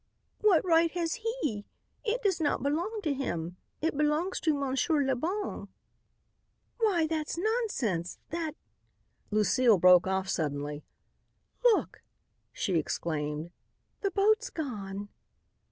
"What right has he? It does not belong to him. It belongs to Monsieur Le Bon." "Why, that's nonsense! That " Lucile broke off suddenly. "Look!" she exclaimed. "The boat's gone!"